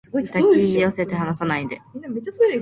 抱き寄せて離さないで